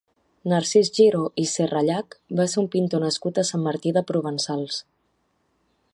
Narcís Giró i Serrallach va ser un pintor nascut a Sant Martí de Provençals.